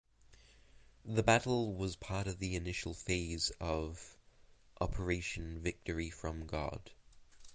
The battle was part of the initial phase of Operation Victory from God.